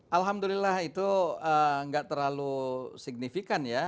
alhamdulillah itu nggak terlalu signifikan ya